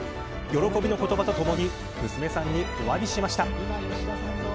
喜びの言葉とともに娘さんにお詫びしました。